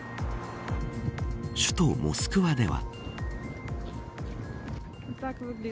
首都モスクワでは。